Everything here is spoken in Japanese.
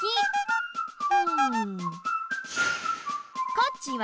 こっちは庇。